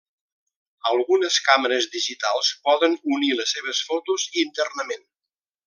Algunes càmeres digitals poden unir les seves fotos internament.